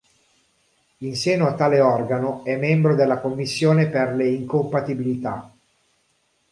In seno a tale organo è membro della Commissione per le incompatibilità.